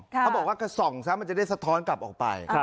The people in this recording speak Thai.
เขาบอกว่ากระส่องซะมันจะได้สะท้อนกลับออกไป